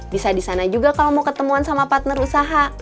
bisa di sana juga kalau mau ketemuan sama partner usaha